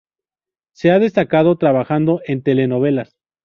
Se ha destacado trabajando en telenovelas.